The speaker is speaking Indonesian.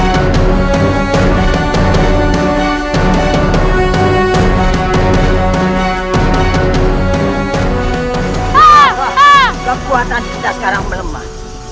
kepuatan kita sekarang melemah